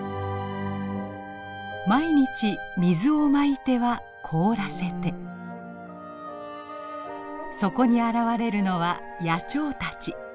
毎日水をまいては凍らせてそこに現れるのは野鳥たち。